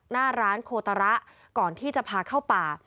หน้าร้านโคตระก่อนที่จะพาเข้าป่า